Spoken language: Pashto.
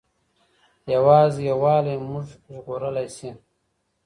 یوازې یووالی موږ ژغورلی سي.